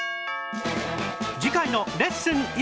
次回の『レッスン！